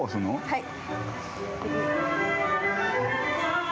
はい。